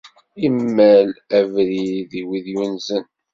Immal abrid-is i wid yunzen.